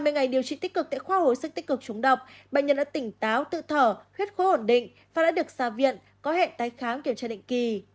sau hai mươi ngày điều trị tích cực tại khoa hồi sức tích cực trúng độc bệnh nhân đã tỉnh táo tự thở khuyết khối ổn định và đã được xa viện có hẹn tái khám kiểm tra định kỳ